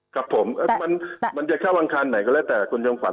ครับผมมันจะเข้าอังคารไหนก็แล้วแต่คุณจำขวั